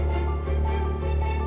karena sudah lama